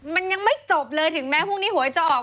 มันยังไม่จบเลยถึงแม้พรุ่งนี้หวยจะออก